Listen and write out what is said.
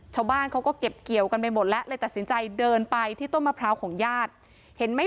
ชาวบ้านเขาก็เก็บเกี่ยวกันไปหมดแล้วเลยตัดสินใจเดินไปที่ต้นมะพร้าวของญาติเห็นไหม